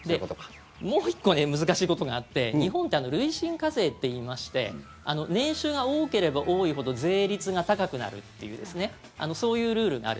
もう１個ね難しいことがあって日本って累進課税っていいまして年収が多ければ多いほど税率が高くなるっていうそういうルールがある。